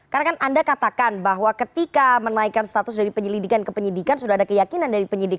karena kan anda katakan bahwa ketika menaikkan status dari penyelidikan ke penyidikan sudah ada keyakinan dari penyidik